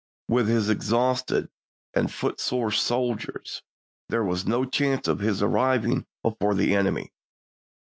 With his exhausted and footsore soldiers there was no chance of his arriving before the enemy.